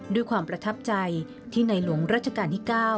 ด้วยความประทับใจที่ในหลวงรัชกาลที่๙